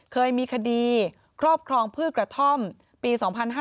เคยมีคดีครอบครองพื้นกระท่อมปี๒๕๕๑๒๕๕๔๒๕๕๗๒๕๕๘